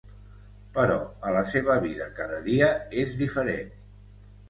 Però a la seva vida cada dia és diferent.